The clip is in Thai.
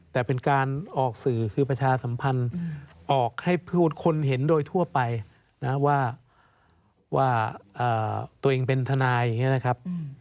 แต่เป็นการออกสื่อคือประชาสัมพันธ์ออกให้พูดคนเห็นโดยทั่วไปนะว่าตัวเองเป็นทนายอย่างนี้นะครับ